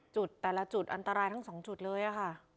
จุดแต่ละจุดอันตรายทั้ง๒จุดเลยค่ะ